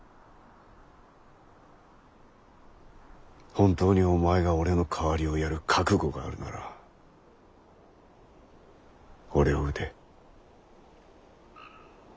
本当にお前が俺の代わりをやる覚悟があるなら俺を討て。